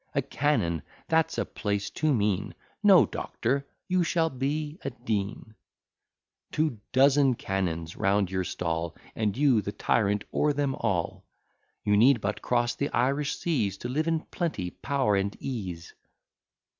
A Canon! that's a place too mean: No, doctor, you shall be a Dean; Two dozen canons round your stall, And you the tyrant o'er them all: You need but cross the Irish seas, To live in plenty, power, and ease.